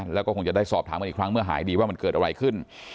แล้วก็คงจะได้สอบถามกันอีกครั้งเมื่อหายดีว่ามันเกิดอะไรขึ้น